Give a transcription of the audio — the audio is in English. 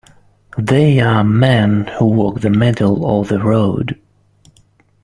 They are men who walk the middle of the road.